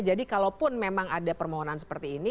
jadi kalau pun memang ada permohonan seperti ini